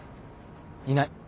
いない。